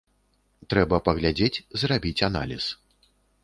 Трэба паглядзець, зрабіць аналіз.